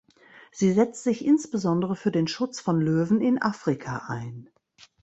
Sie setzt sich insbesondere für den Schutz von Löwen in Afrika ein.